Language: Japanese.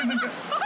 ここ！